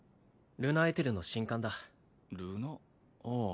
ルナ＝エテルの新刊だルナああ